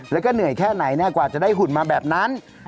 แล้วก็เหนื่อยแค่ไหนกว่าจะได้หุ่นมาแบบนั้น